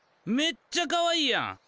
めっちゃかわいいやん。